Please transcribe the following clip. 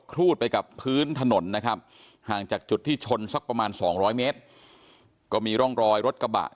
เขาได้ถามอย่างว่าทำไมไม่ได้ถ่าย